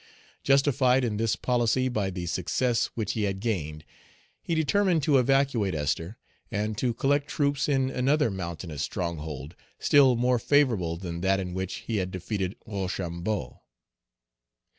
Justified in this policy by the success which he had gained, he determined to evacuate Esther, and to collect troops in another mountainous stronghold, still more favorable than that in which he had defeated Rochambeau.